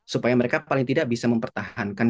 supaya mereka paling tidak bisa mempertahankan